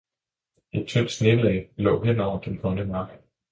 et tyndt snelag lå hen over den grønne mark.